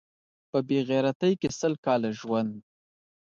په بې غیرتۍ کې سل کاله ژوند